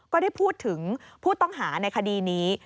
ก็ได้พูดถึงผู้ต้องหาในคดีนี้